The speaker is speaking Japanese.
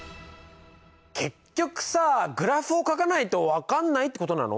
結局さグラフをかかないと分かんないってことなの？